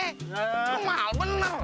ini mahal bener